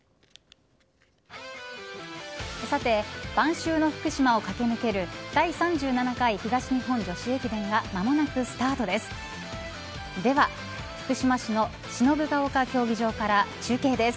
さて、晩秋の福島を駆け抜ける第３７回東日本女子駅伝が間もなくスタートです。